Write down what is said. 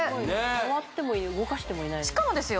触っても動かしてもいないしかもですよ